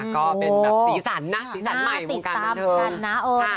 ก็เป็นสีสันนะสีสันใหม่ติดตามกันนะ